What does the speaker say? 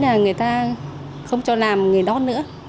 là người ta không cho làm nghề đoán nữa